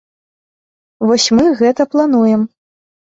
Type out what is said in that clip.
Вось мы гэта плануем.